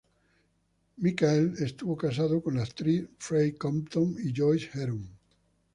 Michael estuvo casado con las actrices Fay Compton y Joyce Heron.